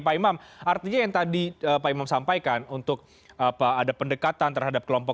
pak imam artinya yang tadi pak imam sampaikan untuk ada pendekatan terhadap kelompok